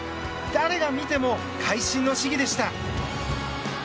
誰が見ても会心の試技でした。